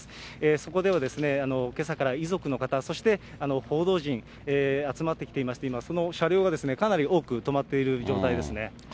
そこではけさから遺族の方、そして報道陣、集まってきていまして、今その車両がかなり多く止まっている状態ですね。